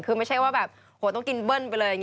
คือไม่ใช่ว่าแบบโหต้องกินเบิ้ลไปเลย